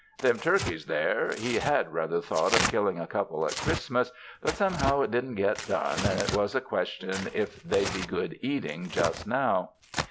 Them turkeys, there, he had rather thought of killing a couple at Christmas, but somehow it didn't get done, and it was a question if they'd be good eating just now.